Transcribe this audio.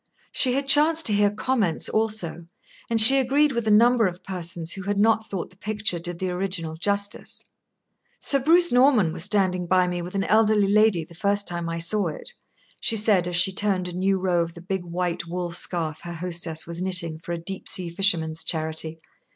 She had chanced to hear comments also, and she agreed with a number of persons who had not thought the picture did the original justice. "Sir Bruce Norman was standing by me with an elderly lady the first time I saw it," she said, as she turned a new row of the big white wool scarf her hostess was knitting for a Deep Sea Fisherman's Charity.